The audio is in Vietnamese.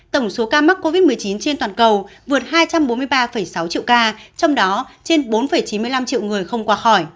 tổng số ca mắc covid một mươi chín trên toàn cầu vượt hai trăm bốn mươi ba sáu triệu ca trong đó trên bốn chín mươi năm triệu người không qua khỏi